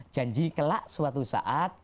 janji kelak suatu saat